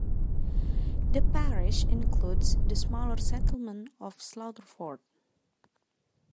The parish includes the smaller settlement of Slaughterford.